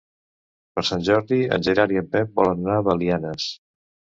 Per Sant Jordi en Gerard i en Pep volen anar a Belianes.